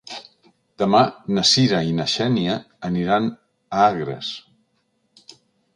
Demà na Sira i na Xènia aniran a Agres.